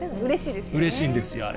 うれしいですよね。